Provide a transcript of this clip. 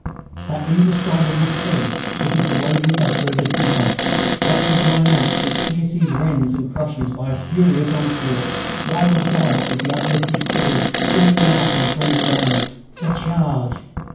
That indescribable thing which is the raison d'être of the trooper, that sublime act which pierces, rends, and crushes by a furious onslaught wild gallop, with uplifted sword, yelling mouth, and frenzied eyes. The charge!